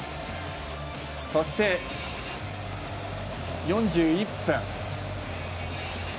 そして、４１分。